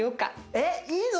えっいいの？